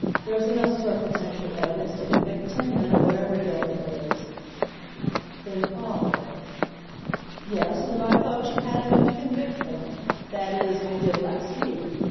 There's enough circumstantial evidence to convict ten men of whatever guilt there is." Then father "Yes, and I thought you had enough to convict one that is I did last week.